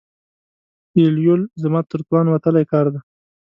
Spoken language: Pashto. ایېلول زما تر توان وتلی کار دی.